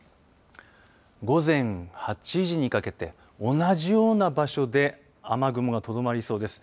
午前８時にかけて同じような場所で雨雲が、とどまりそうです。